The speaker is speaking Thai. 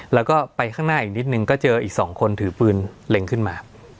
แล้วก็ไปข้างหน้าอีกนิดนึงก็เจออีก๒คนถือปืนเล็งขึ้นมา